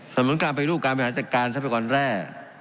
ส่งเสริมการปลูกการบริหารจัดการทรัพยากรแร่